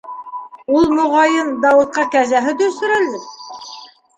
Ул, моғайын, Дауытҡа кәзә һөтө эсерәлер...